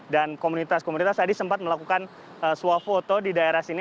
dan komunitas komunitas tadi sempat melakukan swafoto di daerah sini